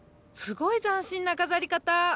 すごい斬新な飾り方！